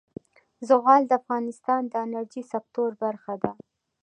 زغال د افغانستان د انرژۍ سکتور برخه ده.